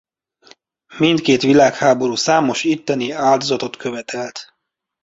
Mindkét világháború számos itteni áldozatot követelt.